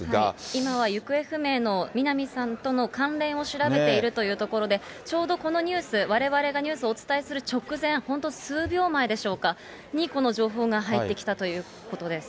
今は行方不明の南さんとの関連を調べているというところで、ちょうどこのニュース、われわれがニュースをお伝えする直前、本当、数秒前でしょうか、に、この情報が入ってきたということです。